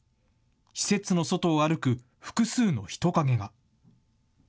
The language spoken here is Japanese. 施設の外を歩く複数の人影が。